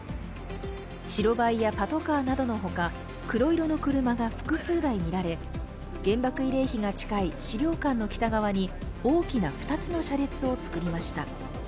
白バイやパトカーなどのほか、黒色の車が複数台見られ、原爆慰霊碑が近い資料館の北側に大きな２つの車列を作りました。